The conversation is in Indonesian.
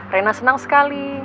rena senang sekali